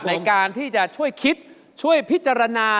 ในการที่จะช่วยคิดช่วยพิจารณา